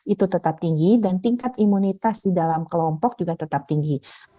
itu tetap tinggi dan tingkat imunitas di dalam kelompok juga tetap tinggi